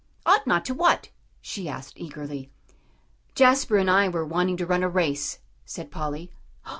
"Ought not to what?" she asked eagerly. "Jasper and I were wanting to run a race," said Polly.